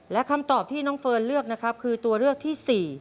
และคำตอบที่น้องเฟิร์นเลือกนะครับคือตัวเลือกที่๔